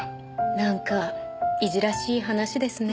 なんかいじらしい話ですね。